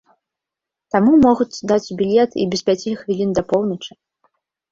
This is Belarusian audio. Таму могуць даць білет і без пяці хвілін да поўначы.